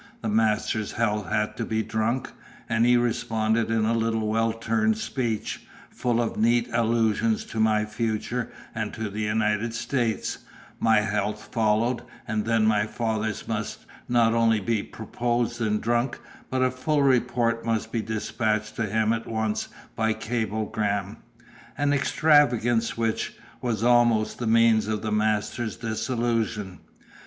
The master's health had to be drunk, and he responded in a little well turned speech, full of neat allusions to my future and to the United States; my health followed; and then my father's must not only be proposed and drunk, but a full report must be despatched to him at once by cablegram an extravagance which was almost the means of the master's dissolution.